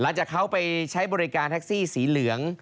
หลังจากเขาไปใช้บริการแท็กซี่สีเหลือง